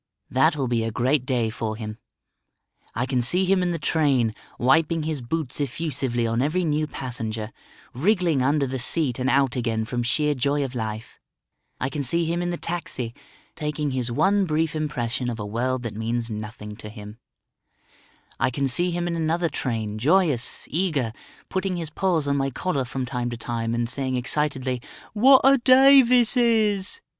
That will be a great day for him. I can see him in the train, wiping his boots effusively on every new passenger, wriggling under the seat and out again from sheer joy of life; I can see him in the taxi, taking his one brief impression of a world that means nothing to him; I can see him in another train joyous, eager, putting his paws on my collar from time to time and saying excitedly, "What a day this is!"